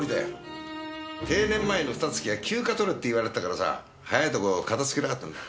定年前の二月は休暇取れって言われてたからさ早いとこ片付けたかったんだ。